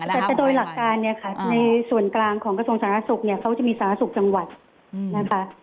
แต่โดยหลักการเนี่ยค่ะในส่วนกลางของกระทรวงสาธารณสุขเนี่ยเขาจะมีสาธารณสุขจังหวัดนะคะ